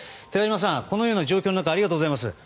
寺島さん、このような状況の中ありがとうございます。